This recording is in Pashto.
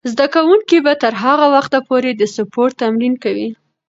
زده کوونکې به تر هغه وخته پورې د سپورت تمرین کوي.